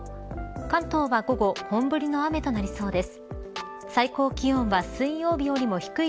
関東は午後本降りの雨となりそうです。